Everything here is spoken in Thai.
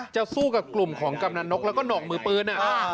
จะสู้กับกลุ่มของกำนันนกแล้วก็หน่องมือปืน